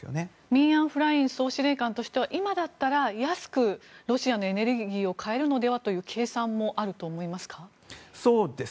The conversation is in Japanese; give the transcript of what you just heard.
ミン・アウン・フライン総司令官としては、今だったら安くロシアのエネルギーを買えるのではという計算もあると思いますか？